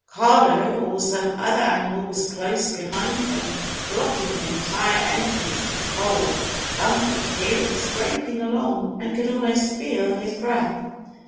Carlo or some other animal was close behind him, blocking the entire entrance to the hole. Bumper could hear him scraping along, and could almost feel his breath.